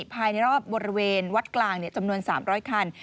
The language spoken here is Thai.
ภายในรอบบริเวณวัดกลางจำนวน๓๐๐คัน